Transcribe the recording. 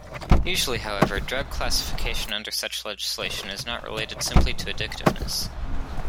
Usually, however, drug classification under such legislation is not related simply to addictiveness.